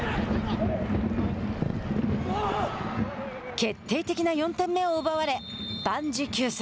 決定的な４点目を奪われ万事休す。